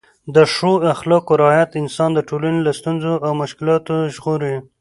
د ښو اخلاقو رعایت انسان د ټولنې له ستونزو او مشکلاتو ژغوري.